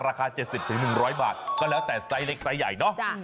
ราคา๗๐๑๐๐บาทก็แล้วแต่ไซส์เล็กไซส์ใหญ่เนอะ